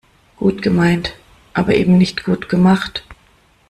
Gut gemeint, aber eben nicht gut gemacht.